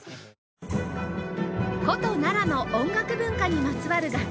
古都奈良の音楽文化にまつわる楽器